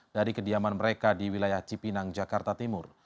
dari kediaman mereka di wilayah cipinang jakarta timur